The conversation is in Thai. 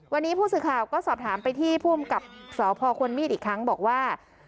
วันนี้ผู้สื่อข่าวก็สอบถามไปที่ผู้อำกับสพควรมีดอีกครั้งบอกว่า